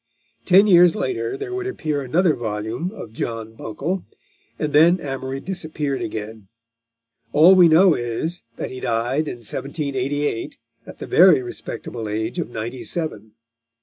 Ten years later there would appear another volume of John Buncle, and then Amory disappeared again. All we know is, that he died in 1788, at the very respectable age of ninety seven.